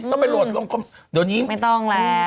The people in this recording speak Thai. ต้องไปโหลดลงคมเดี๋ยวนี้ไม่ต้องแล้ว